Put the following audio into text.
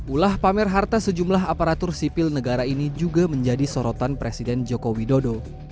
ulah pamer harta sejumlah aparatur sipil negara ini juga menjadi sorotan presiden joko widodo